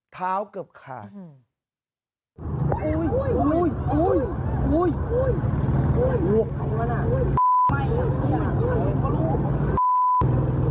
เท้าเกือบขาด